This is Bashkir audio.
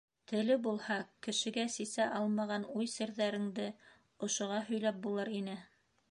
Теле булһа, кешегә сисә алмаған уй- серҙәренде ошоға һөйләп булыр ине.